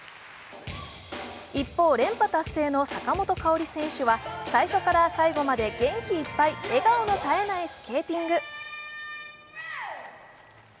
一方、連覇達成の坂本花織選手は最初から最後まで元気いっぱい笑顔の絶えないスケーティング。